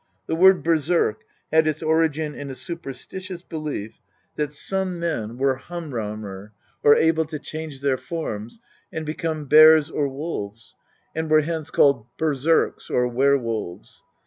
The word berserk had its origin in a superstitious belief that some men were H H LVIII THE POETIC EfcDA. " hamramr," or able to change their forms, and become bears or wolves, and were hence called berserks or were wolves.